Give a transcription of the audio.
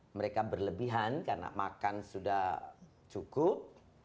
mereka berlebihan karena makan sudah cukup